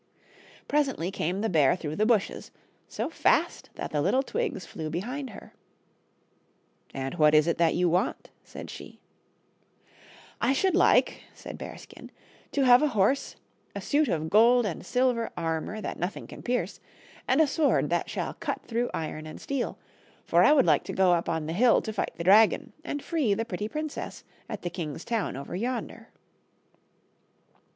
Presently came the bear through the bushes, so fast that the little twigs flew behind her. " And what is it that you want ?" said she. BEARSKIN. 7 " I should like," said Bearskin, " to have a horse, a suit or gold and silver armor that nothing can pierce, and a sword that shall cut through iron and steel ; for I would like to go up on the hill to fight the dragon and free the pretty princess at the king's town over yonder."